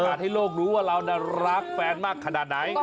ให้โลกรู้ว่าเรารักแฟนมากขนาดไหน